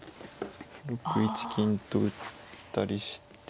６一金と打ったりして。